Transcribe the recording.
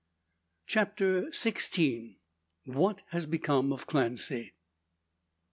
CHAPTER SIXTEEN. WHAT HAS BECOME OF CLANCY?